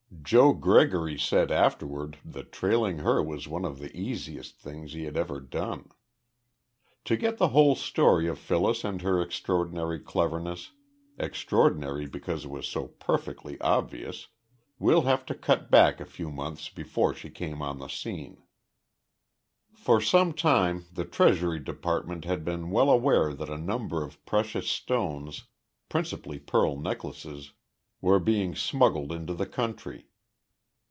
Joe Gregory said afterward that trailing her was one of the easiest things he had ever done. To get the whole story of Phyllis and her extraordinary cleverness extraordinary because it was so perfectly obvious we'll have to cut back a few months before she came on the scene. For some time the Treasury Department had been well aware that a number of precious stones, principally pearl necklaces, were being smuggled into the country.